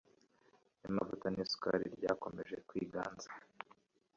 y’amavuta n’isukari ryakomeje kwiganza,